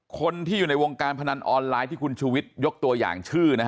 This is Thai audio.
คนที่อยู่ในวงการพนันออนไลน์ที่คุณชูวิทยกตัวอย่างชื่อ